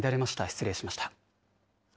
失礼しました。